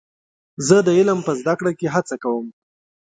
زه د علم په زده کړه کې هڅه کوم.